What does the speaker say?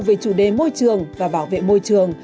về chủ đề môi trường và bảo vệ môi trường